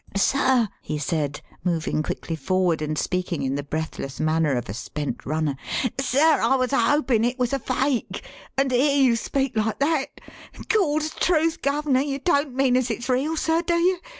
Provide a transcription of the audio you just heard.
"Sir," he said, moving quickly forward and speaking in the breathless manner of a spent runner "Sir, I was a hopin' it was a fake, and to hear you speak like that Gawd's truth, guv'ner, you don't mean as it's real, sir, do you?